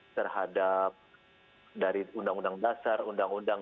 terhadap dari undang undang dasar undang undang